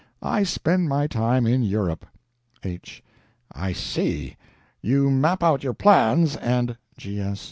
I spend my time in Europe. H. I see. You map out your plans and ... G.S.